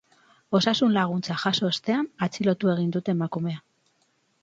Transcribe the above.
Osasun-laguntza jaso ostean, atxilotu egin dute emakumea.